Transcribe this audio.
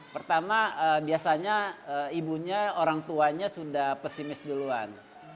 pertama biasanya ibunya orang tuanya sudah pesimis duluan